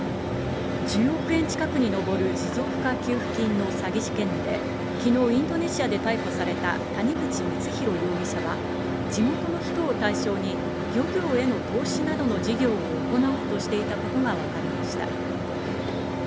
１０億円近くに上る持続化給付金の詐欺事件で、昨日、インドネシアで逮捕された谷口光弘容疑者は、地元の人を対象に、漁業への投資などの事業を行おうとしていたことがわかりました。